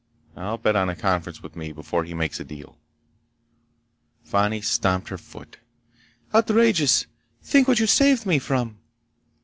I'll bet on a conference with me before he makes a deal." Fani stamped her foot. "Outrageous! Think what you saved me from!"